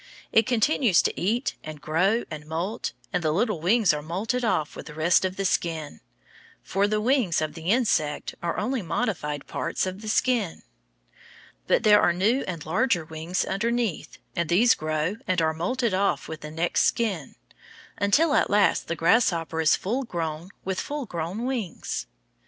It continues to eat and grow and moult, and the little wings are moulted off with the rest of the skin for the wings of the insect are only modified parts of the skin. But there are new and larger wings underneath, and these grow and are moulted off with the next skin, until, at last, the grasshopper is full grown, with full grown wings.